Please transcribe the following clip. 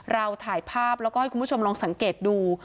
เราถ่ายภาพแล้วก็ให้คุณผู้ชมลองสังเกตดู